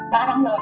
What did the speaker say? ba năm rồi